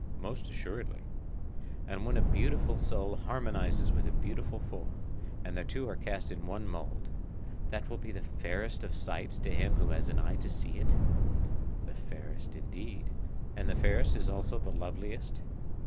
Most assuredly. And when a beautiful soul harmonizes with a beautiful form, and the two are cast in one mould, that will be the fairest of sights to him who has an eye to see it? The fairest indeed. And the fairest is also the loveliest?